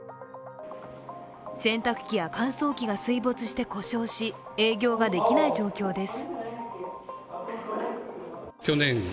洗濯機や乾燥機が水没して故障し営業ができない状況です。